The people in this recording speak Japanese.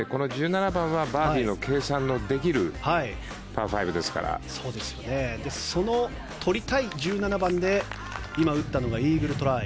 １７番はバーディーの計算のできるその取りたい１７番で今打ったのがイーグルトライ。